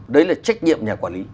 đấy là trách nhiệm nhà quản lý